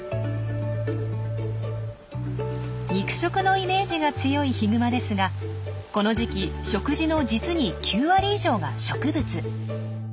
肉食のイメージが強いヒグマですがこの時期食事の実に９割以上が植物。